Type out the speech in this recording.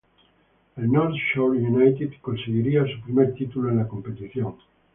El North Shore United conseguiría su primer título en la competición.